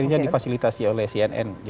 akhirnya difasilitasi oleh cnn